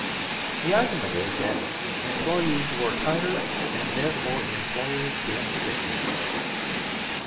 The argument is that employees work harder, and therefore employers get richer.